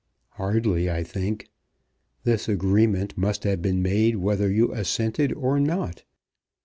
"Hardly, I think. This agreement must have been made whether you assented or not.